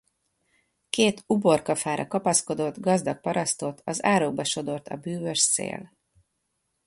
Két uborkafára kapaszkodott, gazdag parasztot az árokba sodort a bűvös szél.